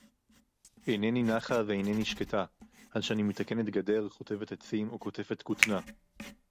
אֵינֶנִּי נָחָה וְאֵינֶנִּי שְׁקֵטָה עַד שֶׁאֲנִי מְתַקֶּנֶת גָּדֵר, חוֹטֶבֶת עֵצִים, אוֹ קוֹטֶפֶת כֻּותְנָה